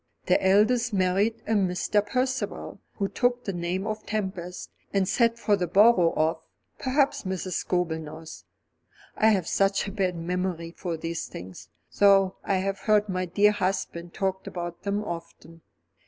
The eldest married a Mr. Percival, who took the name of Tempest, and sat for the borough of Perhaps Mrs. Scobel knows. I have such a bad memory for these things; though I have heard my dear husband talk about them often."